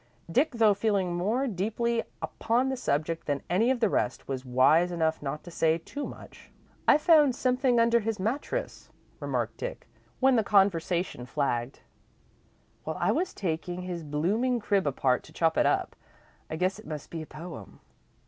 Dick, though feeling more deeply upon the subject than any of the rest, was wise enough not to say too much. "I found something under his mattress," remarked Dick, when the conversation flagged, "while I was taking his blooming crib apart to chop it up. I guess it must be a poem."